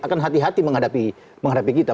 akan hati hati menghadapi kita